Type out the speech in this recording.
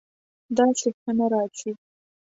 داسې ښه نه راځي